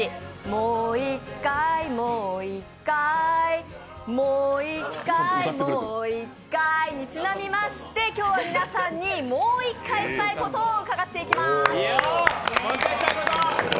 もう一回もう一回もう一回もう一回にちなみまして、今日は皆さんにもう一回したいことを伺っていきます。